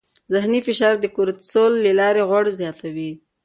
ذهني فشار د کورتیسول له لارې غوړ زیاتوي.